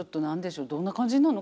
どんな感じになるの？